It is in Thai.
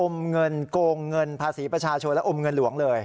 เงินโกงเงินภาษีประชาชนและอมเงินหลวงเลย